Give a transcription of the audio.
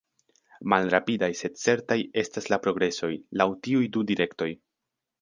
Malrapidaj, sed certaj, estas la progresoj, laŭ tiuj du direktoj.